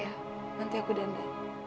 iya nanti aku danda